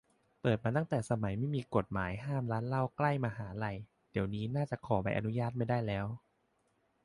เปิดมาตั้งแต่สมัยยังไม่มีกฎหมายห้ามร้านเหล้าใกล้มหาลัย เดี๋ยวนี้น่าจะขอใบอนุญาตไม่ได้แล้ว